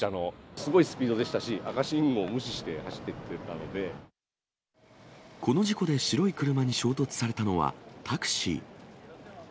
すごいスピードでしたし、この事故で白い車に衝突されたのはタクシー。